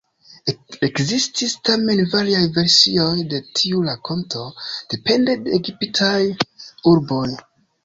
Ekzistis tamen variaj versioj de tiu rakonto depende de egiptaj urboj.